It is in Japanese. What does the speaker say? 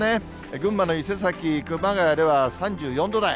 群馬の伊勢崎、熊谷では３４度台。